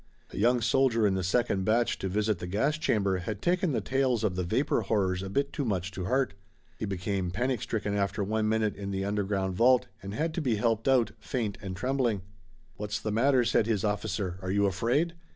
A young soldier in the second batch to visit the gas chamber had taken the tales of the vapor horrors a bit too much to heart. He became panicstricken after one minute in the underground vault and had to be helped out, faint and trembling. "What's the matter?" said his officer. "Are you afraid?"